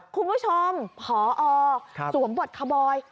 คุณผู้ชมพอสวมบทคาบอย